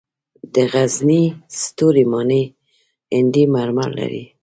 د غزني ستوري ماڼۍ هندي مرمر لري